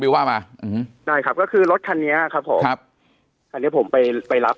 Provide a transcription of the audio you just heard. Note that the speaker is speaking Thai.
บิวว่ามานะครับก็คือรถคันเนี้ยครับผมครับผมไปไปรับ